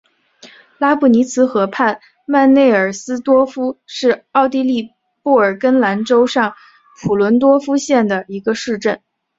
拉布尼茨河畔曼内尔斯多夫是奥地利布尔根兰州上普伦多夫县的一个市镇。